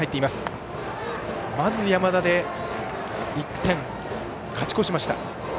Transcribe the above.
まず山田で１点を勝ち越しました。